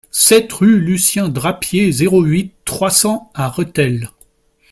sept rue Lucien Drapier, zéro huit, trois cents à Rethel